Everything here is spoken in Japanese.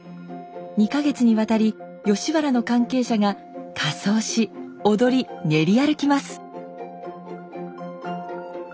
２か月にわたり吉原の関係者が仮装し踊り練り歩きます。